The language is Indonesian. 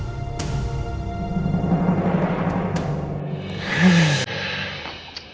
rasanya masalah ini semakin kerasa asaan